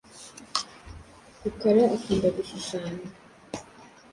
Rukara akunda gushushanya.